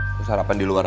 aku sarapan di luar aja